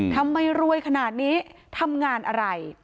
ทำไมรวยขนาดนี้ทำงานอะไร